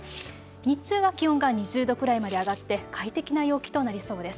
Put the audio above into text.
日中は気温が２０度くらいまで上がって快適な陽気となりそうです。